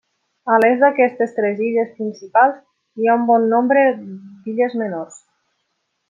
A l'est d'aquestes tres illes principals hi ha un bon nombre d'illes menors.